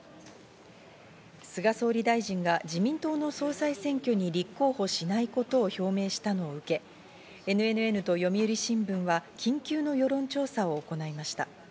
菅総理大臣が自民党の総裁選挙に立候補しないことを表明したのを受け、ＮＮＮと読売新聞は緊急の世論調査を行いました。